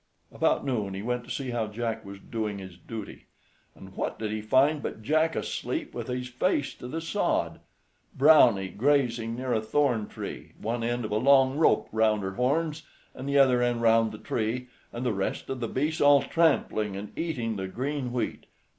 About noon he went to see how Jack was doing his duty, and what did he find but Jack asleep with his face to the sod, Browney grazing near a thorn tree, one end of a long rope round her horns, and the other end round the tree, and the rest of the beasts all trampling and eating the green wheat.